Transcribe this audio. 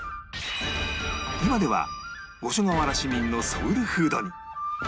今では五所川原市民のソウルフードに